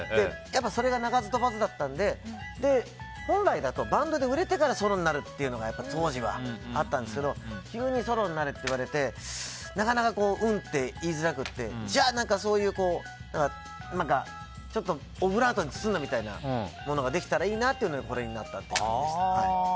それが鳴かず飛ばずだったんで本来だと、バンドで売れてからソロになるというのが当時はあったんですけど急にソロになるって言われてなかなか、うんって言いづらくてじゃあ何かちょっとオブラートに包んだものができたらいいなというのでこれになったという感じでした。